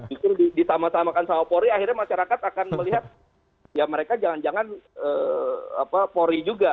itu ditamakan sama pori akhirnya masyarakat akan melihat ya mereka jangan jangan pori juga